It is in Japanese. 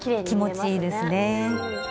気持ちいいですね。